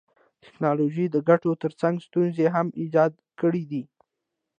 ټکنالوژي د ګټو تر څنګ ستونزي هم ایجاد کړيدي.